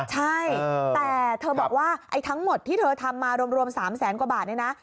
ใช่แต่เธอบอกว่าไอ้ทั้งหมดที่เธอทำมารวม๓แสนกว่าบาทเนี่ยนะ